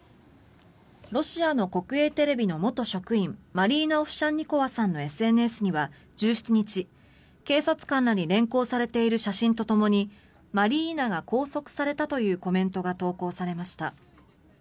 ロシアの国営テレビの元職員マリーナ・オフシャンニコワさんのＳＮＳには１７日、警察官らに連行されている写真とともにマリーナが拘束されたというコメントが投稿されました。